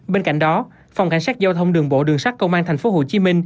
bên cạnh đó phòng cảnh sát giao thông đường bộ đường sát công an tp hcm